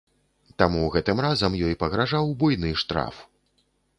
Таму гэтым разам ёй пагражаў буйны штраф.